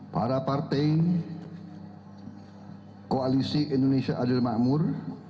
para partai koalisi indonesia adil makmur